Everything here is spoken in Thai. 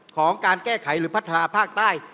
ของการแก้ไขหรือพัฒนาภาคใต้